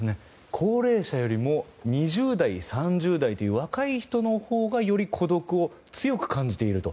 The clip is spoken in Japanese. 高齢者よりも２０代、３０代という若い人のほうがより孤独を強く感じていると。